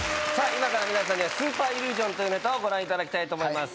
今から皆さんにはスーパーイリュージョンというネタをご覧いただきたいと思います